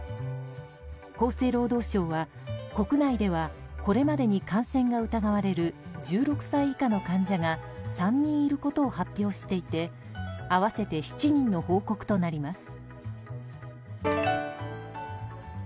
厚生労働省は、国内ではこれまでに感染が疑われる１６歳以下の患者が３人いることを発表していて合わせて７人の報告となります。